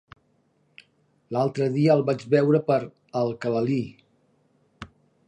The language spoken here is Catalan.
L'altre dia el vaig veure per Alcalalí.